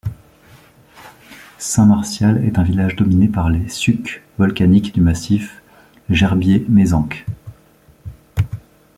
Saint-Martial est un village dominé par les sucs volcaniques du massif Gerbier-Mézenc.